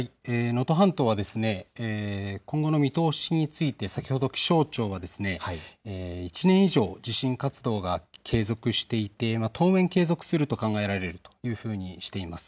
能登半島は今後の見通しについて先ほど気象庁は１年以上、地震活動が継続していて当面、継続すると考えられるというふうにしています。